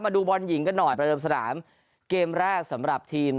ดูบอลหญิงกันหน่อยประเดิมสนามเกมแรกสำหรับทีม